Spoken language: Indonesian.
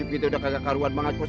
hidup kita udah kagak karuan banget pos